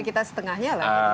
kita setengahnya lah